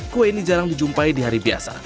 kue ini jarang dijumpai di hari biasa